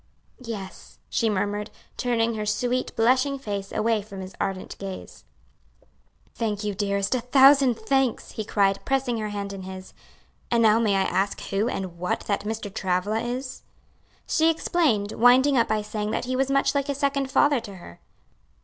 "Yes," she murmured, turning her sweet, blushing face away from his ardent gaze. "Thank you, dearest, a thousand thanks!" he cried, pressing her hand in his. "And now may I ask who and what that Mr. Travilla is?" She explained, winding up by saying that he was much like a second father to her.